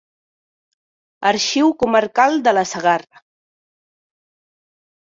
Arxiu Comarcal de la Segarra.